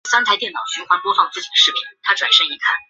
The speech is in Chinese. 乌尔库特。